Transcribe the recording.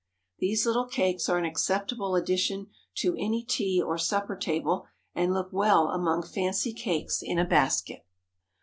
These little cakes are an acceptable addition to any tea or supper table, and look well among fancy cakes in a basket.